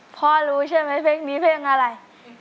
พ่อรู้ใช่ไหมเพลงนี้เพลงอะไร